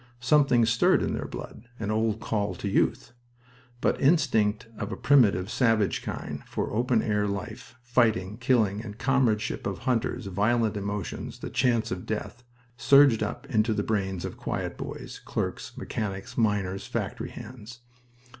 Something stirred in their blood an old call to youth. Some instinct of a primitive, savage kind, for open air life, fighting, killing, the comradeship of hunters, violent emotions, the chance of death, surged up into the brains of quiet boys, clerks, mechanics, miners, factory hands.